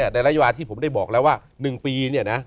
ในระยะที่ผมได้บอกแล้วว่า๑ปี